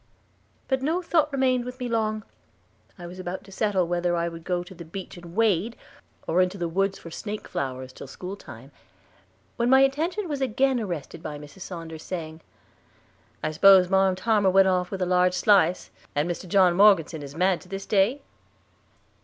But no thought remained with me long. I was about to settle whether I would go to the beach and wade, or into the woods for snake flowers, till school time, when my attention was again arrested by Mrs. Saunders saying, "I spose Marm Tamor went off with a large slice, and Mr. John Morgeson is mad to this day?"